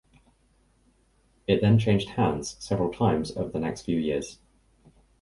It then changed hands several times over the next few years.